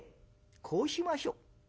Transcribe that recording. こうしましょう。